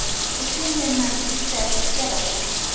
The two men mounted the stairs together.